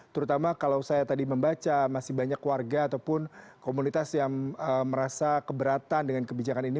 terutama kalau saya tadi membaca masih banyak warga ataupun komunitas yang merasa keberatan dengan kebijakan ini